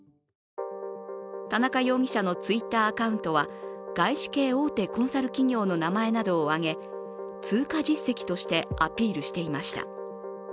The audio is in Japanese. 田中容疑者のＴｗｉｔｔｅｒアカウントは外資系大手コンサル企業の名前などを挙げ、通過実績としてアピールしていました。